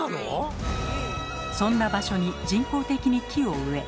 そんな場所に人工的に木を植え